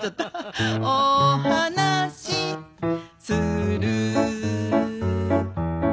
「おはなしする」